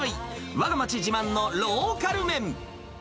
わが町自慢のローカル麺。